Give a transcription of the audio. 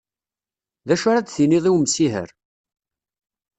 D acu ara d tiniḍ i umsiher?